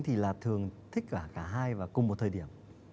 thì là thường thích cả cả hai và cùng một thời điểm